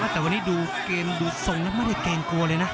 แต่วันนี้ดูเกมดูทรงแล้วไม่ได้เกรงกลัวเลยนะ